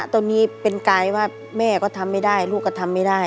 ตอนนี้เป็นกายว่าแม่ก็ทำไม่ได้ลูกก็ทำไม่ได้